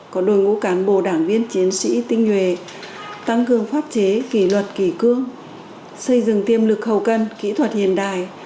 có đội ngũ cán bộ đảng viên chiến sĩ tinh nhuệ tăng cường pháp chế kỷ luật kỳ cương xây dựng tiêm lực hậu cân kỹ thuật hiện đại